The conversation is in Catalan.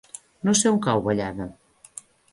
No sé on cau Vallada.